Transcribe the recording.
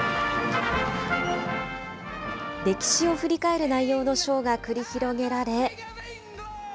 歴史を振り返る内容のショーが繰り広げられ。